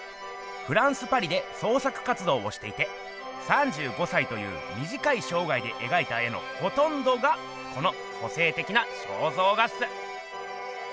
フランスパリで創作活動をしていて３５歳というみじかいしょうがいでえがいた絵のほとんどがこの個性的な肖像画っす。